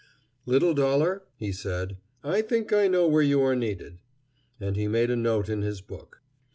"Little dollar," he said, "I think I know where you are needed." And he made a note in his book.